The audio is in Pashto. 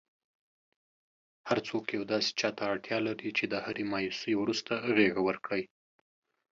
هرڅوک یو داسي چاته اړتیا لري چي د هري مایوسۍ وروسته غیږه ورکړئ.!